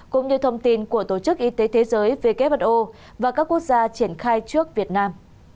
cũng như thông tin của tổ chức y tế thế giới who và các quốc gia triển khai trước việt nam